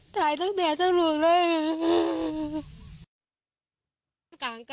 ตายตั้งแม่ตั้งลูกเลย